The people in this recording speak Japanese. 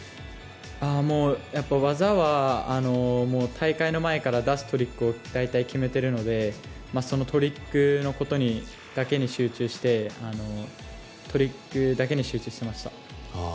技は大会の前から出すトリックを大体決めているのでそのトリックのことだけに集中していました。